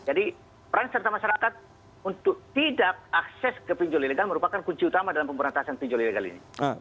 jadi peran serta masyarakat untuk tidak akses ke pinjol ilegal merupakan kunci utama dalam pemberantasan pinjol ilegal ini